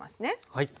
はい。